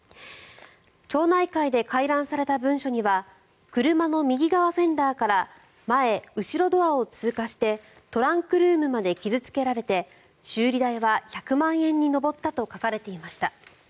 町内会で回覧された文書には車の右側フェンダーから前・後ろドアを通過してトランクルームまで傷付けられて修理代は１００万円に上ったと書かれていました。